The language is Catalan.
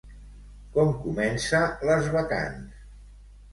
Com comença Les bacants?